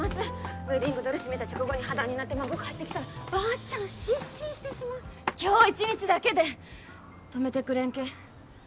ウエディングドレス見た直後に破談になって孫帰ってきたらばーちゃん失神してしまう今日一日だけでん泊めてくれんけ？